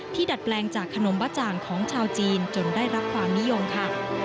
ดัดแปลงจากขนมบ้าจ่างของชาวจีนจนได้รับความนิยมค่ะ